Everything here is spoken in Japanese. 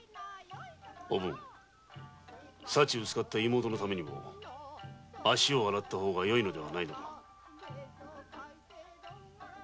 おぶん幸せ薄かった妹のためにも足を洗った方がよいのではないか？